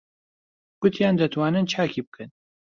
گوتیان دەتوانن چاکی بکەن.